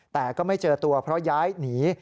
แต่ก็ไม่เจอตัวเพราะย้ายหนี